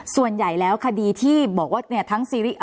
ส่วนใหญ่แล้วคดีที่บอกว่า